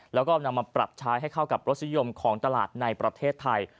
แล้วก็นำมาปรับใช้ให้เข้ากับรสนิยมของตลาดในประเทศไทย